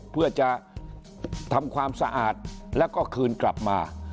เพื่อจะทำความสะอาดแล้วก็คืนกลับมา